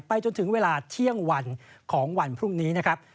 จนถึงเวลาเที่ยงวันของวันพรุ่งนี้นะครับ